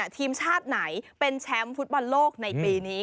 ทีมชาติไหนเป็นแชมป์ฟุตบอลโลกในปีนี้